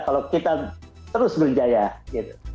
kalau kita terus berjaya gitu